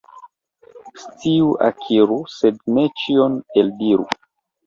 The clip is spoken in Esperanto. Scion akiru, sed ne ĉion eldiru.